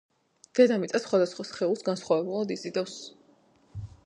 დედამიწა სხვადასხვა სხეულს განსხვავებულად იზიდავს